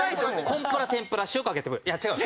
コンプラ天ぷら塩かけて食う。